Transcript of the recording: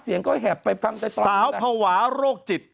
เสียงก็แหบไปสาวภาวะโรคจิต